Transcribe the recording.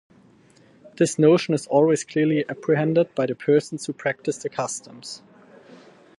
This notion is always clearly apprehended by the persons who practice the customs.